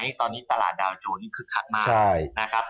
ที่ตอนนี้ตลาดดาวน์โจทย์คือขักมาก